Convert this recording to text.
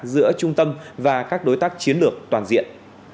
giữa trung tâm và các đối tác chiến lược toàn diện